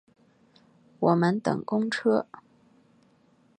我们等公车